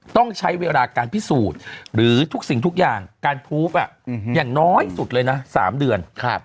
ต้องใช้เวลาการพิสูจน์หรือทุกสิ่งทุกอย่างการทูปอย่างน้อยสุดเลยนะ๓เดือน